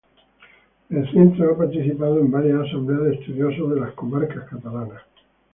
El Centro ha participado en varias asambleas de estudiosos de las comarcas catalanas.